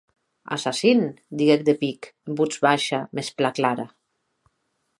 Assassin, didec de pic, en votz baisha mès plan clara.